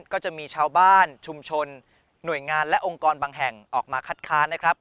ก็จะมีชาวบ้านชุมชนหน่วยงานและองค์กรบางแห่งออกมาคัดค้านนะครับ